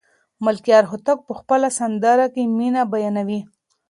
ملکیار هوتک په خپله سندره کې مینه بیانوي.